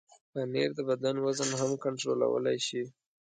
پنېر د بدن وزن هم کنټرولولی شي.